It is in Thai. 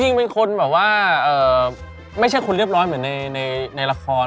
จริงเป็นคนแบบว่าไม่ใช่คนเรียบร้อยเหมือนในละคร